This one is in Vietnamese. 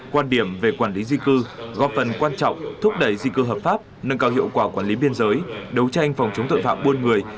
quan điểm về quản lý di cư góp phần quan trọng thúc đẩy di cư hợp pháp nâng cao hiệu quả quản lý biên giới đấu tranh phòng chống tội phạm buôn người